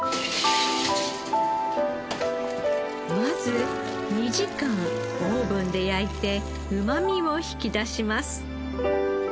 まず２時間オーブンで焼いてうまみを引き出します。